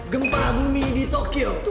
gempa bumi di tokyo